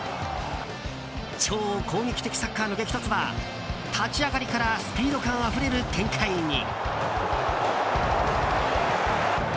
超攻撃的サッカーの激突は立ち上がりからスピード感あふれる展開に。